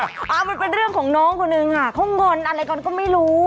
เอามันเป็นเรื่องของน้องคนนึงค่ะเขางอนอะไรกันก็ไม่รู้